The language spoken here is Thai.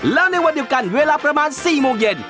แล้วในวันเดียวกันเวลาประมาณ๔โมงเย็น